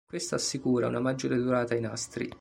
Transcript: Questo assicura una maggiore durata ai nastri.